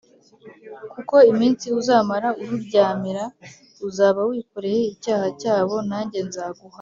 Kuko iminsi uzamara ururyamira uzaba wikoreye icyaha cyabo Nanjye nzaguha